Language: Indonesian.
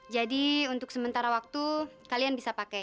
jadi untuk sementara waktu kalian bisa pakai